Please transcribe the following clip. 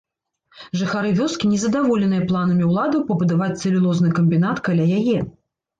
Жыхары вёскі незадаволеныя планамі ўладаў пабудаваць цэлюлозны камбінат каля яе.